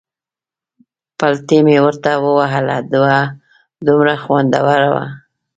پلتۍ مې ورته ووهله، دومره خوندوره وه.